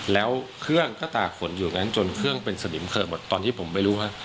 แล้วเครื่องก็ตากฝนอยู่แบบนั้นจนเป็นสนิมเคลอร์บท